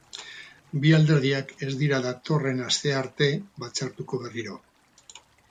Bi alderdiak ez dira datorren astea arte batzartuko berriro.